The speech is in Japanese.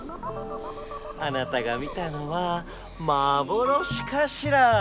あなたが見たのはまぼろしかしら？